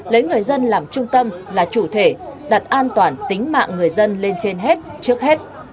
lấy người dân làm trung tâm là chủ thể đặt an toàn tính mạng người dân lên trên hết trước hết